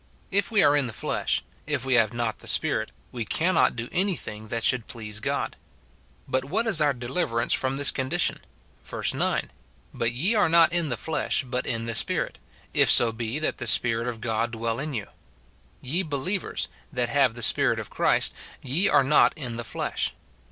If we are in the flesh, if we have riot the Spirit, we cannot do any thing that should please God. But what is our deliverance from this condition ? Verse 9, " But ye are not in the flesh, but in the Spirit, if so be that the Spirit of God dwell in you;" — "Ye believers, that have the Spirit of Christ, ye are not in the flesh."